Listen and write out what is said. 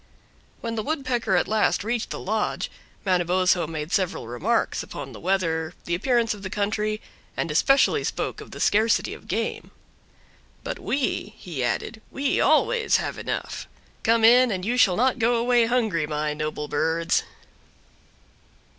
When the Woodpecker at last reached the lodge Manabozho made several remarks upon the weather, the appearance of the country, and especially spoke of the scarcity of game. "But we," he added—"we always have enough. Come in, and you shall not go away hungry, my noble birds!"